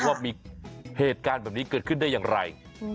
ว่ามีเหตุการณ์แบบนี้เกิดขึ้นได้อย่างไร